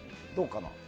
どうかな？